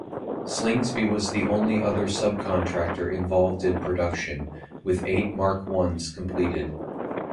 Slingsby was the only other sub-contractor involved in production with eight Mark Is completed.